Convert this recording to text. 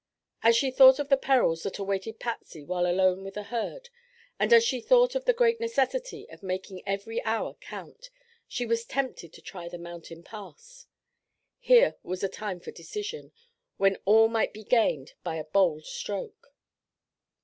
As she thought of the perils that awaited Patsy while alone with the herd, and as she thought of the great necessity of making every hour count, she was tempted to try the mountain pass. Here was a time for decision; when all might be gained by a bold stroke.